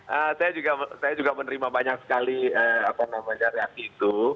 hahaha gini saya juga menerima banyak sekali reaksi itu